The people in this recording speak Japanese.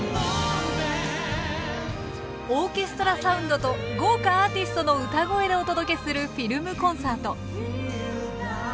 オーケストラサウンドと豪華アーティストの歌声でお届けするフィルムコンサート。